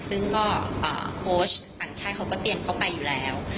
ซึ่งว่าอ่าคอร์ชอันชัยเขาก็เตรียมเข้าไปอยู่แล้ว